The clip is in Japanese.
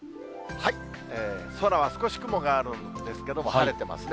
空は少し雲があるんですけれども、晴れてますね。